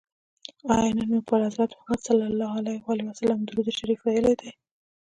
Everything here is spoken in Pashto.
آیا نن مو پر حضرت محمد صلی الله علیه وسلم درود شریف ویلي دی؟